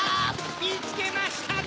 ・みつけましたぞ！